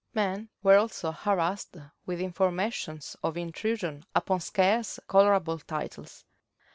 Men were also harassed with informations of intrusion upon scarce colorable titles.